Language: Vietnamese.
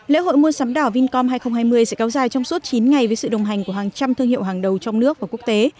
lễ hội mua sắm đỏ vincom hai nghìn hai mươi sẽ cao dài trong suốt chín ngày với sự đồng hành của hàng trăm thương hiệu hàng đầu trong nước và quốc tế